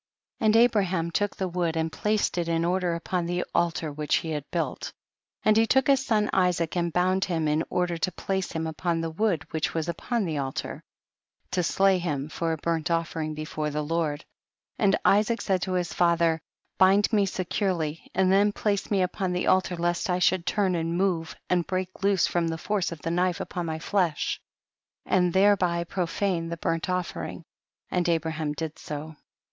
59. And Abraham took the wood and placed it in order upon the altar which he had built. 60. And he took his son Isaac and bound him in order to place him upon the wood which was upon the altar, to slay him for a burnt offering before the Lord. 6 1 . And Isaac said to his father, bind me securely and then place me upon the altar lest I should turn and move, and break loose from the force of the knife upon my flesh and thereby profane the burnt offering j and Abraham did so.